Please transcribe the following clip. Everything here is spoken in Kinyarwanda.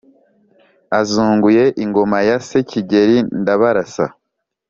azunguye ingoma ya se Kigeli Ndabarasa.